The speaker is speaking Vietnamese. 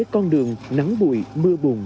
con đường nắng bụi mưa buồn